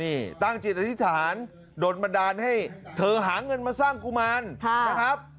นี่ตั้งจิตอธิษฐานโดนบันดาลให้เธอหาเงินมาสร้างกุมารนะครับ